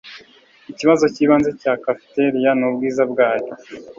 Ikibazo cyibanze cya cafeteria nubwiza bwayo